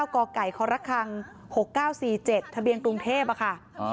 ก่อไก่คละครัง๖๙๔๗ทะเบียงตรุงเทพฯค่ะ